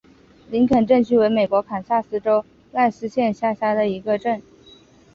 林肯镇区为美国堪萨斯州赖斯县辖下的镇区。